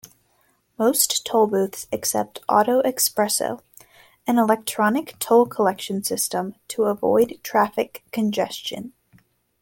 Most tollbooths accept "AutoExpreso", an electronic toll collection system, to avoid traffic congestion.